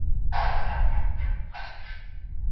علمي مرحله تجربه ارزښتمنه ګڼي.